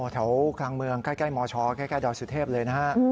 แถวกลางเมืองใกล้มชใกล้ดสุทธิพย์เลยนะฮะ